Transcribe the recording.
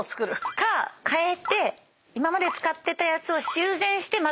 か替えて今まで使ってたやつを修繕してまた使うとか。